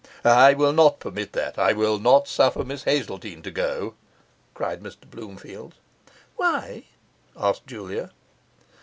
'I will not permit that I will not suffer Miss Hazeltine to go,' cried Mr Bloomfield. 'Why?' asked Julia.